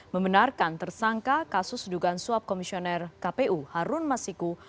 membenarkan tersangka kasus dugaan suap komisioner kpu harun masiku